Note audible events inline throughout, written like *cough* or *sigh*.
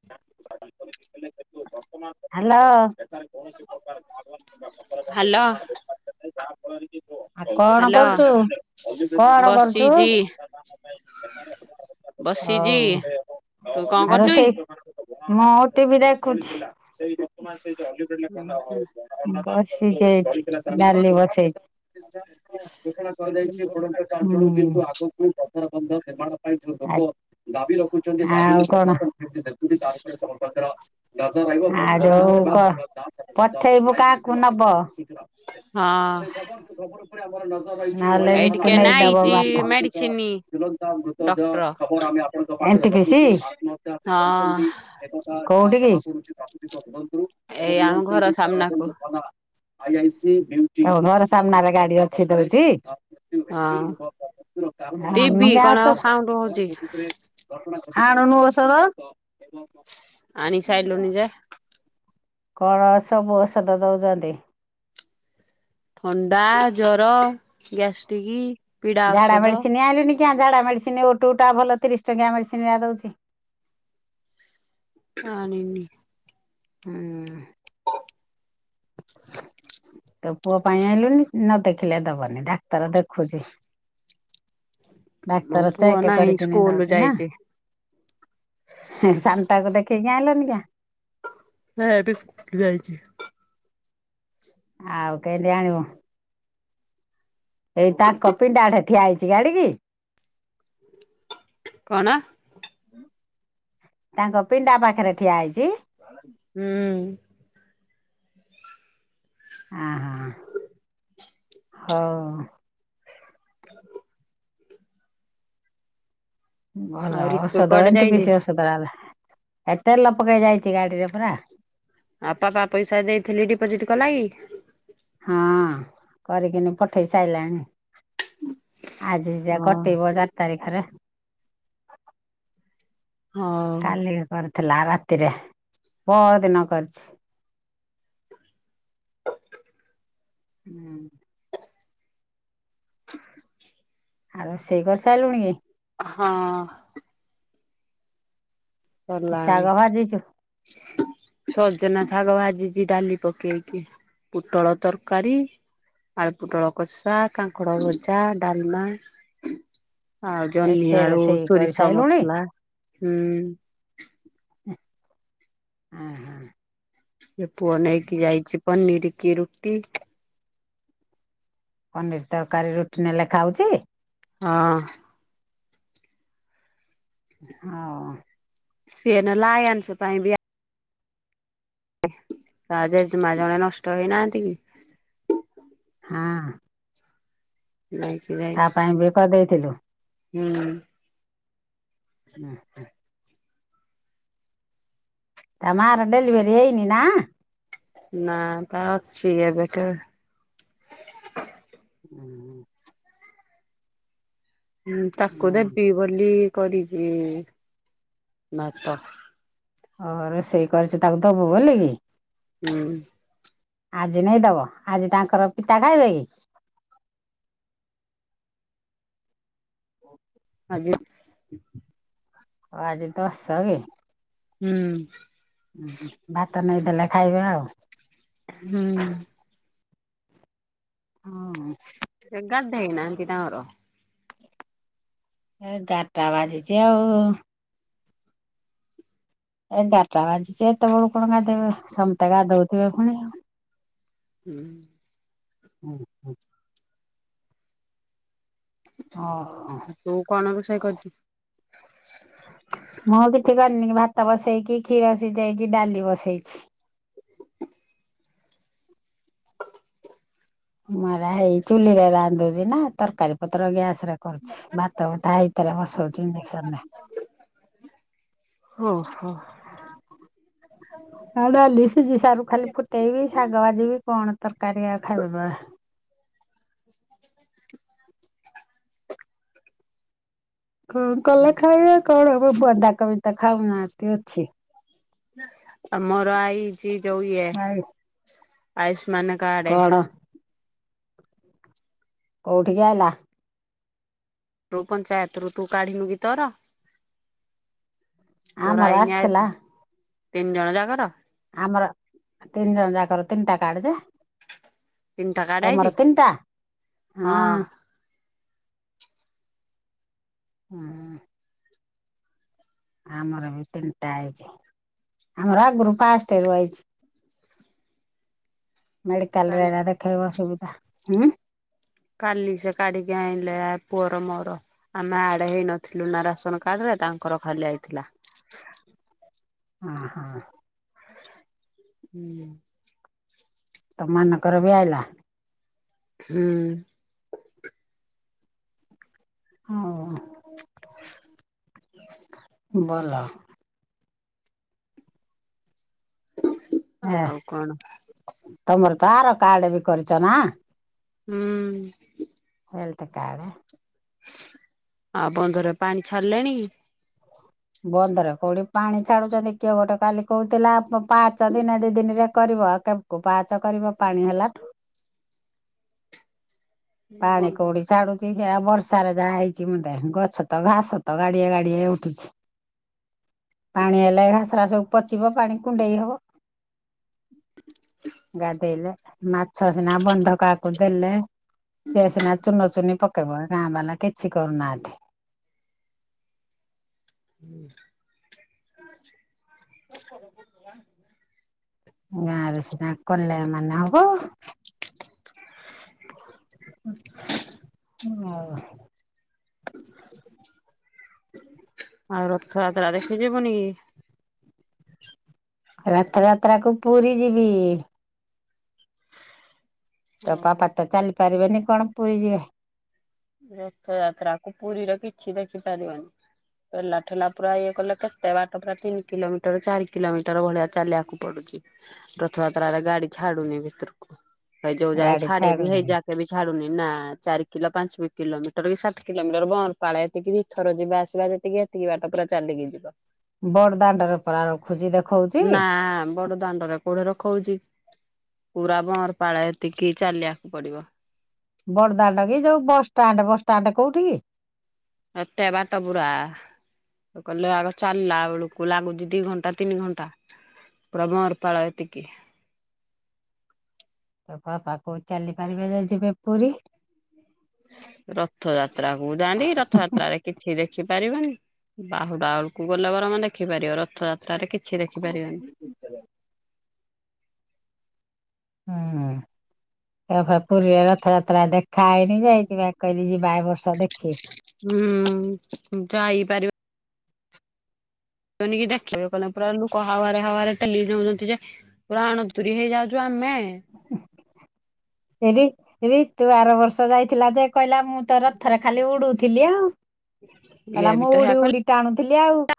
Hello. Hello ଆ ଚାପଣ କି ଆଉ କଣ ହାଲୋ କରୁଛୁ କଣ କରୁଛୁ? ବସିଚି ବସିଚି ହଉ ତୁ କଣ ଆର କରୁଚୁ କି? ସେଇ ମୁଁ ଟିଭି ଦେଖୁଛି ଓ ହଁ ବସି ଯାଇଛି ଡାଲି ବସେଇଛି କରାଯାଇଛି ବଞ୍ଚଳ କିନ୍ତୁ ଆଗକୁ ରଥନ ବନ୍ଧ ନିର୍ମାଣ ପାଇଁ ଯୋଉ ଲୋକ ଆଉ କଣ? ଆ ଆଉ ଯଉ କଣ କ ପଠେଇବୁ କାକୁ ନବ? ହଁ ନା ହେଲେ ଏଇ ରିଙ୍କୁ ଟିକେ ନା ନେଇଦବା ଆଇଚି ବା ମେଡିସିନ ଡକ୍ଟର ଏମିତି କିଛି ହଁ କୋଉଠି କୀ? ଏଇ ଆମ ଘର ସାମ୍ନାକୁ ଉ ଘୋର ସାମ୍ନାରେ ଗାଡି ଅଛି ଦଉଛି। ହଁ ଟିଭି କଣ ଗ୍ୟାସ ସାଉଣ୍ଡ ହଉଚି ଆଣୁନୁ ଔଷଧ ଆଣି ସାାଇଲୁଣି ଜେ କଣ ସବୁ ଔଷଧ ଦଉଛନ୍ତି? ଥଣ୍ଡା ଜର ଗ୍ୟାସ ଟିକ ଝାଡ଼ା ମେଡିସିନ ଆଇଲୁନି କ ଝାଡା ମେଡିସିନ ଓ ଟୁ ଟା ଭଲ ତିରିଶ ଟଙ୍କି ମେଡିସିନ ଦିଆ ଦଉଛି ଆଣିନି ହୁଁ ତ ପୁଅ ପାଇଁ ଆଇଲୁନି ନ ଦେଖିଲେ ଦବନି ଡାକ୍ତର ଦେଖୁଛି ମୋ ଡାକ୍ତର ପୁଅ ଚେକ ନାହିଁ କରିକିନୁ ସ୍କୁଲ ଦଉଚି ନା ଯାଇଚି। ସାନଟାକୁ ଦେଖେଇକି ଆଇଲନିିକ ନାଇ ଏଟା ସ୍କୁଲ ଯାଇଛି ଆଉ କେନ୍ତି ଆଣିବୁ ଏଇ ତାଙ୍କ ପିଣ୍ଡା ଆଡ଼େ ଠିଆ ହେଇଛି ଗାଡିକ କି? କଣ ତାଙ୍କ ପିଣ୍ଡା ପାଖରେ ଠିଆ ହେଇଛି ହୁଁ ଆଁ ହ ହଉ ଭଲ ଆଉ ରିତୁ ଔଷଧ କୁଆଡେ ଏ ଯାଇଚି? ପିସି ଔଷଧ ହେଲା ଏତେ ଲ ପକେଇ ଯାଇଛି ଗାଡିରେ ପରା ଆଉ ବାପ ପଇସା ଦେଇଥିଲି ଡିପୋଜିଟ କଲା କି? ହଁ କରିକିନି ପଠେଇ ସାରିଲାଣି। ଆଜି ଯ ଯ ହଁ କଟେଇବ ଚାରି ତାରିଖରେ ହଉ। କଲି କରିଥିଲା ରାତିରେ ପହର ଦିନ କରିଛି ହୁଁ ଆଉ ରୁସେଇ କରିସାରିଲୁଣି କି? ହଁ କି ଶାଗ କରିଲଣିି ଭାଜିଛୁ ସଜନା ଶାଗ ଭାଜିଛି ଡାଲି ପକେଇକି ପୋଟଳ ତରକାରୀ। ଆଳୁପୁଟଳକଷା, କାଙ୍କଡଭଜା, ଡାଲମା ଆଉ ଜହ୍ନି ଏତେ ଆଳୁ ରୋଷେଇ ସୋରିଷ କରିସାରିଲୁଣି ମସଲା ହୁଁ ହଁ ହଁ। ସେ ପୁଅ ନେଇକି ଯାଇଛି ପନିର କି ରୁଟି। ପନିର୍ ତରକାରୀ ରୁଟି ନେଲେ ଖାଉଛି। ହଁ। ହଁ। ସିଏ ଲାଶଂ ପାଇଁ ବି ତା ଜେଜେମା ଜଣେ ନଷ୍ଟ ହେଇନାହାନ୍ତି କି ହାଁ। ନାଇଁ *unintelligible* ତା ପାଇଁ ବେକ ଦେଇଥିଲୁ ହୁଁ। ହ ହ ତା ମାର ଡେଲିଭରି ହେଇନି ନା ନା ତା ଅଛି ଏବେ ତ ହୁଁ ହୁଁ। ହଁ ତାକୁ ଦେବି ବୋଲି କରିଛି ଭାତ। ହ ରୋଷେଇ କରିଛୁ ତାକୁ ଦବୁ ବୋଲି କି। ହୁଁ। ଆଜି ନେଇଦବ ଆଜି ତାଙ୍କର ପିତା ଖାଇବେ କି? ହ ଆଜି ଆଜ ଦଶ କି? ହୁଁ। ଭାତ ନେଇଦେଲେ ଖାଇବେ ଆଉ ହୁଁ। ହଁ। ଏଗାଦେଇନାହାନତି ତାଙ୍କର ଏଗାରଟା ବାଜିଛି ଆଉ ଏ ଗାରଟା ବାଜିଛି ଏତେବେଳୁ କଣ ଗାଧେଇବେ ସମସ୍ତେ ଗାଧୋଉଥିବେ ପୁଣି ହୁଁ। ହୁଁ ହୁଁ। ଓଁ ହୋ। ତୁ କଣ ରୋଷେଇ କରୁଛୁ। ମୁଁ କିଛି କରିନି ଭାତ ବସେଇକି କ୍ଷୀର ସିଝେଇକି ଡାଲି ବସେଇଛି। ମରା ହେଇ ଚୁଲି ରେ ରାନ୍ଧୁଛି ନା ତରକାରୀ ପତ୍ର ଗ୍ୟାସ ର କରୁଛି ଭାତ ବଟା ହେଇତାର ବସଉଛି ଇଣ୍ଡକସନ ରେ। ଓ ହୋ। ହଁଡାଲି ସିଜି ସାରୁ ଖାଲି ଫୁଟେଇବି ଶାଗ ଭାଜିବି କଣ ତରକାରୀଆ ଖାଇବେ ବା କଣ କଲେ ଖାଇବେ କଣ ହବ ବନ୍ଧାକୋବି ତ ଖାଉନାହାନ୍ତି ଅଛି। ଆଉ ମୋର ଆଇ ଚି ଯଉ ଏ ଭାଇ ଆୟୁଷ୍ମାନ କାର୍ଡ କଣ କୋଉଠିକି ଆଲା। ତୁ ପଞ୍ଚାୟତରୁ ତୁ କାଢିନୁକି ତୋର। ଆମର ତୋରଆଇନି ଆସ ଆସିଥିଲା ତିନି ଜଣ ଜାଗାର ଆମର ତିନି ଜଣ ଯାକର ତିନିଟା କାର୍ଡ ଯେ। ତିନିଟା କାର୍ଡ ଆଇଛି ତମର ତିନିଟା ହଁ। ହୁଁ। ଆମର ବି ତିନିଟା ଆଇଛି ଆମର ଆଗରୁ ଫାଷ୍ଟ ରୁ ଆଇଚି। ମେଡିକାଲ ରେ କାଲି ଏରା ଦେଖେଇବା ସୁୁବିଧା ହୁଁ। କାଲି ସେ କାଢିକି ଆଇଁଲେ ଆ ପୁଅର ମୋର। ଆମେ ଆଡ ହେଇନଥିଲୁ ନା ରାସନ କାର୍ଡ ରେ ତାଙ୍କର ଖାଲି ଆଇଥିଲା। ହଁ ହଁ। ହୁଁ। ତମ ମାନଙ୍କର ବି ଆଇଲା। ହୁଁ ହଁ ବଲ। ଏ ଆଉ କଣ? ତମର ବାର କାର୍ଡ ବି କରିଚନା? ହୁଁଉଁ। ହେଲଥ କାଡେ। ଆଉ ବନ୍ଧ ରେ ପାଣି ଛାଡିଲାଣି? ବନ୍ଦ ରେ କୋଉଠି ପାଣି ଛାଡୁଛନ୍ତି କିଏ ଗୋଟେ କାଲି କହୁଥିଲା ପାଚଦିନ ଦି ଦିନରେ କରିବ କେବେକୁ ପାହାଚ କରିବ ପାଣି ହେଲାଠୁ। ପାଣି ବନ୍ଧ କୋଉଠି ଛାଢୁ ସେ ହେଇଆ ବର୍ଷାରେ ଯାହା ହେଇଛି ମୁନ୍ଦେ ଗଛ ତ ଘାସ ତ ଗାଡିଏ ଗାଡିଏ ଉଠିଛି। ପାଣି ହେଲେ ଘାସରା ସବୁ ପଚିବ ପାଣି କୁଣ୍ଡେଇ ହବ। ଗାଧେଇଲେ ମାଛ ସିନା ବନ୍ଧ କାହାକୁ ଦେଲେ। ସିଏ ସିନା ଚୁନ ଚୁନି ପକେଇବ ଗାଁ ବାଲା କିଛି କରୁନାହାନ୍ତି। *unintelligible* ଗାଁରେ ସିନା କଲେ ଏମାନେ ହବ। ହୁଁ। ହୁଁ। ଆଉ ରଥଯାତ୍ରା ଦେଖି ଯିବୁନି କି? ରଥଯାତ୍ରା କୁ ପୁରୀ ଯିବି। ତୋ ଆଉ ପାପା ତ ଚାଲି ପାରିବେନି କଣ ପୁରୀ ଯିବେ? ରଥଯାତ୍ରା କୁ ପୁରୀର କିଛି ଦେଖି ପାରିବନି। ପେଲାଠେଲା ପୁରା ଇଏ କଲେ କେତେ ବାଟ ପୁରା ତିନି କିଲୋମିଟର ଚାରି କିଲୋମିଟର ଭଳିଆ ଚାଲିବାକୁ ପଡୁଛି ରଥଯାତ୍ରରେ ଗାଡି ଛାଡୁନି ଭିତରକୁ ଯୋଉ ଯାଏ ଗାଡି ଛାଡେ ବି ଛାଡୁନି। ହେଇଯା କେବେ ଛାଡୁନି ନା ଚାରି କିଲୋ ପାଞ୍ଚ ମି କିଲୋମିଟର ସାତ କିଲୋମିଟର ବଂରପାଳ ଏତିକି ଦିଇଥର ଯିବା ଆସିବା ଯେତିକି ଏତିକି ବାଟ ପରା ଚାଲିକି ଯିବ। ବଡଦାଣ୍ଡରେ ପରା ରଖୁଛି ଦେଖୋଉଛି। ହାଁ ବଡ ଦାଣ୍ଡରେ କୋଉଠି ରଖୋଉଚି ପୁରା ବଂରପାଳ ଏତିକି ଚାଲିବାକୁ ପଡିବ। ବଡଦାଣ୍ଡ କି ଯୋଉ ବସଷ୍ଟାଣ୍ଡ ବସଷ୍ଟାଣ୍ଡ କୋଉଠି କି? ଏତେ ବାଟ ବୁୁରା ଗଲେ ଆଗ ଚାଲିଲା ବେଳକୁ ଲାଗୁଛି ଦି ଘଣ୍ଟା ତିନି ଘଣ୍ଟା। ପୁରା ବଂରପାଳ ଏତିକି ତୋ ବାପା କୋଉ ଚାଲି ପାରିବେ ଯେ ଯିବେ ପୁରୀ - ରଥଯାତ୍ରା କୁ ଯାଆନ୍ତି କି ରଥଯାତ୍ରା ଦେଖି କିଛି ଦେଖି ପାରିବନି ବାହୁଡା ବେଳକୁ ଗଲେ ବଂର ଆମେ ଦେଖିପାରିବ ରଥଯାତ୍ରାରେ କିଛି କିଛି ଦେଖିପାରିଵାନି। ଉଁ ଉଁ *unintelligible* ପୁରୀରେ ରଥଯାତ୍ରା ଦେଖା ହେଇନି ଯେ ହେଇଥିପାଇଁ କହିଲି ଯିବା ଏ ବର୍ଷ ଦେଖି - ହୁଁ ଯାଇପାରିବ *unintelligible* ଦେଖିବାକୁ ଗଲେ ପୁରା ଲୋକ ହାୱାରେ ହାୱାରେ ଟେଲି ନୋଉଛନ୍ତି ଯେ ପୁରା ଆଣତୁୁରୀ ହେଇଯାଉଚୁ ଆମେ - ହେରି ହେରି ତୁ ଆର ବର୍ଷ ଯାଇଥିଲା ଯେ କହିଲା ମୁଁ ତୋ ରଥରେ ଖାଲି ଉଡୁଥିଲି ଆଉ ଇଏ କହିଲା ବି ମୁଁ ତ ଉଡି ହେୟା ଉଡି ଟାଣୁଥିଲି ଆଉ -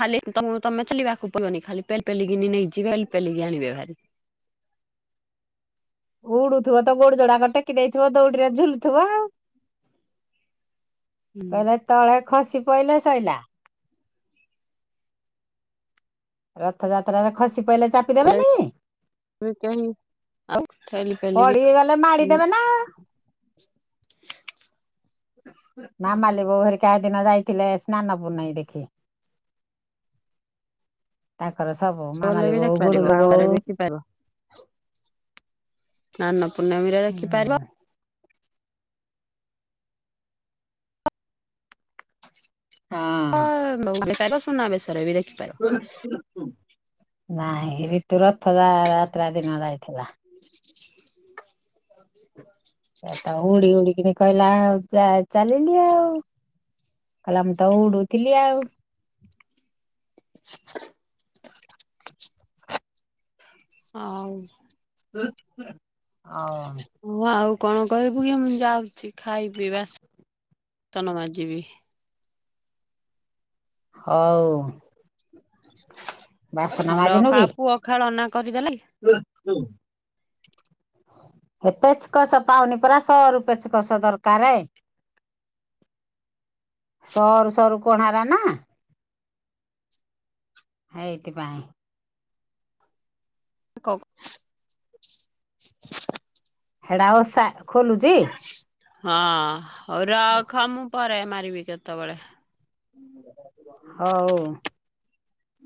ଖାଲି ତ ତମେ ଥିଲିବାକୁ ପଡ଼ିବନି ଖାଲି ପେଲି ପେଲିକିନି ନେଇଯିବେ ପେଲି ପେଲିକି ଆଣିବେ ଭାରି। ଉଡୁଥିବ ତ ଗୋଡ ଯୋଡାକ ଟେକି ଦେଇଥିବ ଦଉଡିରେ ଝୁଲୁଥିବ ଆଉ। ହୁଁ ଯଦି ତଳେ ଖସି ପଇିଲେ ସଇଲା। ରଥଯାତ୍ରାରେ ଖସି ପଇଲେ ଚାର ଦେବେନି ବି କେହି ଆଉ ଠେଲି ପଡ଼ି ପେଲିକି ଗଲେ ମାଡିଦେବେ ନା - ମାମାଲି ବୋଉ ହେରିକା ହେଦିନ ଯାଇଥିଲେ ସ୍ନାନ ପୁନେଇ ଦେଖି *unintelligible* ତାଙ୍କର ସବୁ *unintelligible* ମାମାଲି ବୋଉ ଗୁଡୁଲୁ ଦେଖିପାରିବ ବୋଉ *unintelligible* *inaudible* ସ୍ନାନ ପୂର୍ଣ୍ଣମୀରେ ହୁଁ ଦେଖିପାରିବ - ହଁ ସୁନାବେଶରେ ବି ଦେଖିପାରିବ। ନାହିଁ ରିତୁ ରଥ ଯା ଯାତ୍ରା ଦିନ ଯାଇଥିଲା। *inaudible* ଏ ତା ଉଡ଼ି ଉଡ଼ିକିନି କହିଲା ଚା ଚାଲିଲି ଆଉ କହିଲା ମୁଁ ତ ଉଡୁଥିଲି ଆଉ। *inaudible* ଅ ଉ। ଅ ଉ। ହଁ ଆଉ କଣ କହିବୁ କି ମୁଁ ଯାଉଚି ଖାଇବି ବାସନ ମଜିବି। ହଉ। ବାସନ ମାଜିନୁ ରଖ କି? ଆଉ ପୁଅ ଖେଳନା କରିଦେଲା କି? *inaudible* ଏ ପେଚକସ ପାଉନି ପରା ସରୁ ପେଚକସ ଦରକାର - *unintelligible* ସଅରୁ ସଅରୁ କଣରା ନା - ହେଇଥି ପାଇଁ। କ *inaudible* ହେଡ଼ା ଓଷା ଖୋଲୁଚି? ହଁ ହଉ ରଖ ମୁଁ ପରେ ମାରିବି କେତେବୋଳେ। ହଉ।